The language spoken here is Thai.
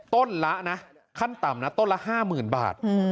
ต้นละนะขั้นต่ำต้นละ๕๐๐๐๐บาท